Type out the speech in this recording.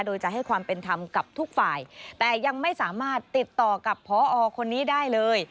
โดยจะให้ความเป็นธรรมกับทุกฝ่ายแต่ยังไม่สามารถติดต่อกับพอคนนี้ได้เลย